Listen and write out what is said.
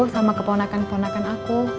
sama keponakan keponakan aku